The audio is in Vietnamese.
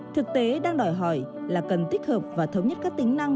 thực tế đang đòi hỏi là cần tích hợp và thống nhất các tính năng